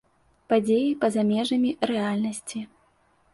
Падзеі па-за межамі рэальнасці.